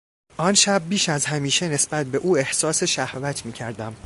آن شب بیش از همیشه نسبت به او احساس شهوت میکردم.